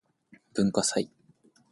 文化祭